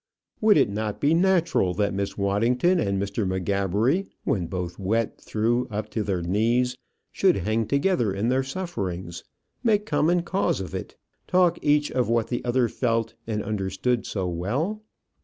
Would it not be natural that Miss Waddington and Mr. M'Gabbery, when both wet through up to their knees, should hang together in their sufferings, make common cause of it, talk each of what the other felt and understood so well?